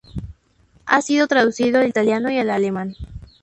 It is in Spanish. Ha sido traducido al italiano y al alemán.